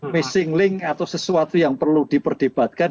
missing link atau sesuatu yang perlu diperdebatkan